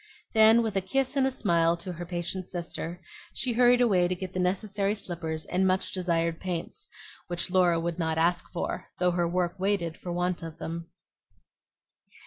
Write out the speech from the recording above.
Then, with a kiss and a smile to her patient sister, she hurried away to get the necessary slippers and the much desired paints, which Laura would not ask for, though her work waited for want of them.